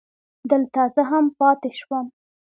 دلته زه هم پاتې شوم.